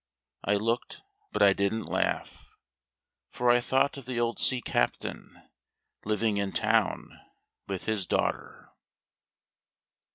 I looked, but I didn't laugh, For I thought of the old sea captain living in town with his daughter.